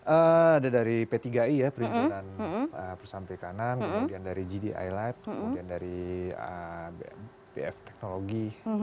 ada dari p tiga i ya perhimpunan persampi kanan kemudian dari gdi lab kemudian dari bf teknologi